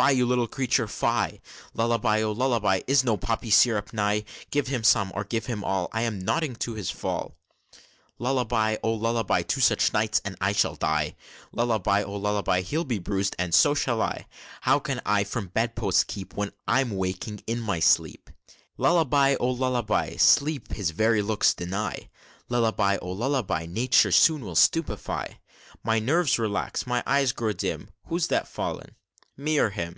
Fie, you little creature, fie! Lullaby, oh, lullaby! Is no poppy syrup nigh? Give him some, or give him all, I am nodding to his fall!" "Lullaby, oh, lullaby! Two such nights, and I shall die! Lullaby, oh, lullaby! He'll be bruised, and so shall I, " "How can I from bedposts keep, When I'm walking in my sleep?" "Lullaby, oh, lullaby! Sleep his very looks deny Lullaby, oh, lullaby; Nature soon will stupefy My nerves relax, my eyes grow dim Who's that fallen me or him?"